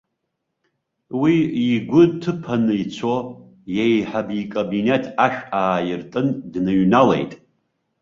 Уи, игәы ҭыԥаны ицо, иеиҳаб икабинет ашә ааиртын дныҩналеит.